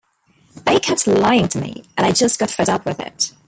They kept lying to me... and I just got fed up with it.